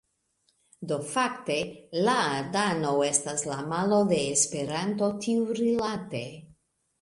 Do fakte, Láadano estas la malo de Esperanto tiurilate